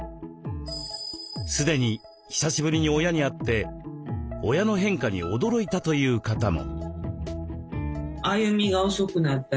すでに久しぶりに親に会って親の変化に驚いたという方も。